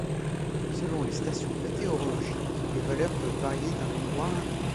Selon les stations météorologiques, les valeurs peuvent varier d'un endroit à un autre.